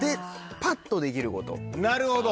なるほど！